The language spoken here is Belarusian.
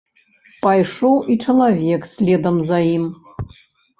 Пайшоў і чалавек следам за ім.